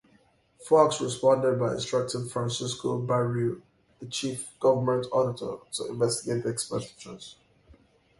Fox responded by instructing Francisco Barrio, the chief government auditor, to investigate the expenditures.